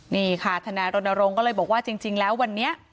นี่ค่ะทนายรณรงค์ก็เลยบอกว่าจริงแล้ววันนี้